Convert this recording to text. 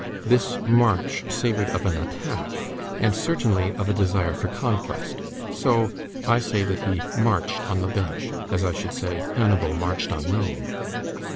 This march savored of an attack, and certainly of a desire for conquest. So I say that he marched on the bench, as I should say: "Hannibal marched on Rome."